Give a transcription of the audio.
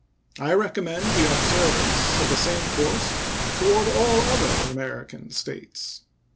I recommend the observance of the same course toward all other American States.